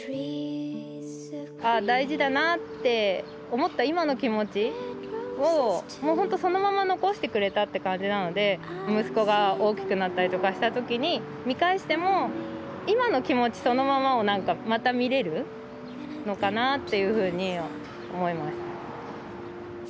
「あぁ大事だな」って思った今の気持ちをもうほんとそのまま残してくれたって感じなので息子が大きくなったりとかした時に見返しても今の気持ちそのままをまた見れるのかなっていうふうに思いました。